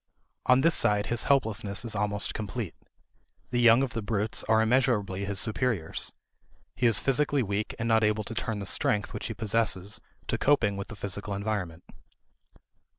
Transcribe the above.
On this side his helplessness is almost complete. The young of the brutes are immeasurably his superiors. He is physically weak and not able to turn the strength which he possesses to coping with the physical environment.